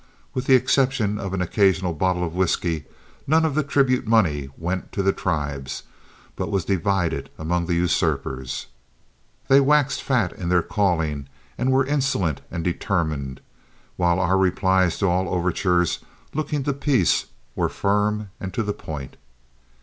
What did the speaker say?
With the exception of an occasional bottle of whiskey, none of the tribute money went to the tribes, but was divided among the usurpers. They waxed fat in their calling and were insolent and determined, while our replies to all overtures looking to peace were firm and to the point.